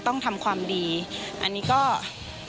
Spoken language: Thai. ที่มีโอกาสได้ไปชม